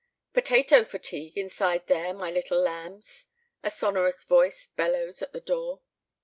"Potato fatigue, inside there, my little lambs!" a sonorous voice bellows at the door.